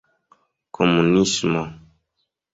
komunismo